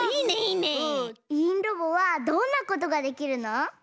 いいんロボはどんなことができるの？